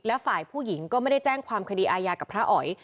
และฝ่ายผู้หญิงก็ไม่ได้แจ้งความคดีอาญากับพระอ๋อย